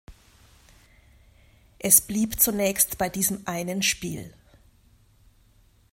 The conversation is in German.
Es blieb zunächst bei diesem einen Spiel.